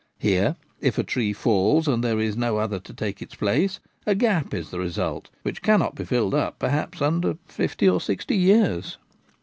Here, if a tree falls and there is no other to take its place, a gap is the result, which cannot be filled up, perhaps, under fifty or sixty years.